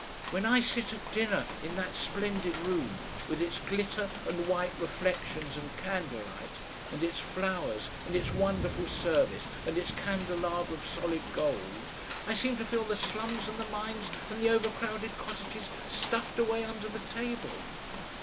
"When I sit at dinner in that splendid room, with its glitter and white reflections and candlelight, and its flowers and its wonderful service and its candelabra of solid gold, I seem to feel the slums and the mines and the over crowded cottages stuffed away under the table."